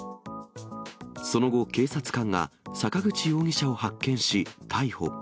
その後、警察官が坂口容疑者を発見し、逮捕。